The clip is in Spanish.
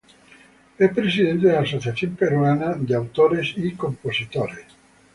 Es presidente de la Asociación Peruana de Autores y Compositores.